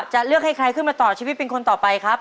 จะเลือกให้ใครขึ้นมาต่อชีวิตเป็นคนต่อไปครับ